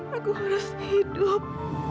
aku harus hidup